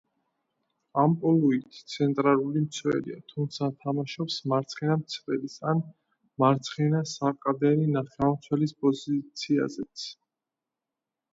ამპლუით ცენტრალური მცველია, თუმცა თამაშობს მარცხენა მცველის, ან მარცხენა საყრდენი ნახევარმცველის პოზიციაზეც.